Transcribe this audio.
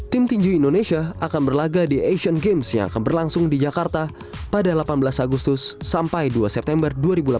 tim tinju indonesia akan berlaga di asian games yang akan berlangsung di jakarta pada delapan belas agustus sampai dua september dua ribu delapan belas